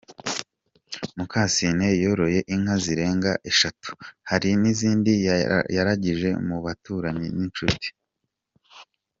Mukasine yoroye inka zirenga eshatu, hari n’izindi yaragije mu baturanyi n’inshuti.